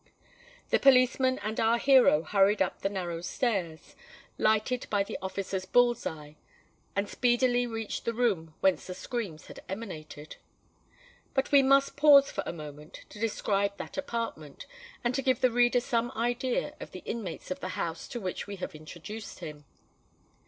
The policeman and our hero hurried up the narrow stairs, lighted by the officer's bull's eye; and speedily reached the room whence the screams had emanated. But we must pause for a moment to describe that apartment, and to give the reader some idea of the inmates of the house to which we have introduced him.